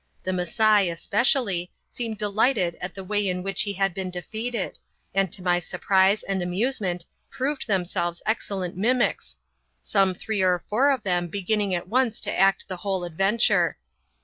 The Masai, especially, seemed delighted at the way in which he had been defeated, and to my surprise and amusement proved themselves excellent mimics, some three or four of them beginning at once to act the whole adventure.